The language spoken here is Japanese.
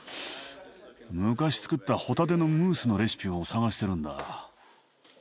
昔つくったほたてのムースのレシピを探してるんだ。